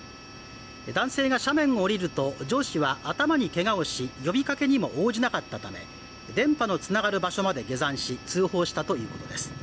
男性が斜面を降りると上司は頭にけがをし呼びかけにも応じなかったため電波のつながる場所まで下山し通報したというものです